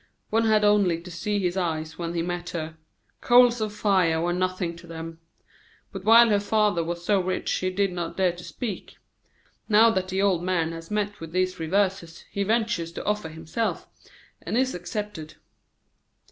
One had only to see his eyes when he met her coals of fire were nothing to them. But while her father was so rich he did not dare to speak. Now that the old man has met with these reverses, he ventures to offer himself, and is accepted."